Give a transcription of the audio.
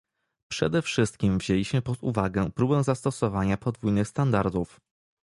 Przede wszystkim wzięliśmy pod uwagę próbę zastosowania podwójnych standardów